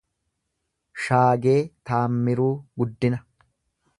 Shaagee Taammiruu Guddina